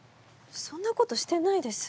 そんなことしてないです。